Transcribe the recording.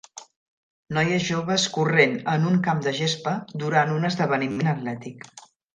Noies joves corrent en un camp de gespa durant un esdeveniment atlètic.